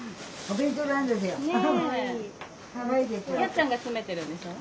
お弁当なんですよ。